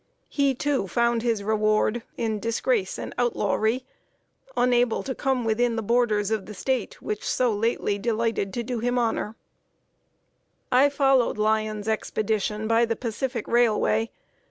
He, too, found his reward in disgrace and outlawry; unable to come within the borders of the State which so lately delighted to do him honor! [Sidenote: A RAILROAD REMINISCENCE.] I followed Lyon's Expedition by the Pacific railway.